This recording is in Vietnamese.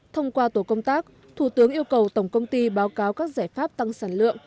thông qua tổ công tác thủ tướng yêu cầu tổng công ty báo cáo các giải pháp tăng sản lượng